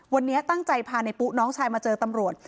วันนี้ตั้งใจพาในปุ๊น้องชายมาเจอตำรวจ